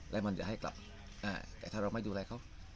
แล้วมันจะให้กลับแต่ถ้าเราไม่ดูแลเขา